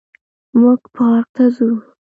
موږ پارک ته ځو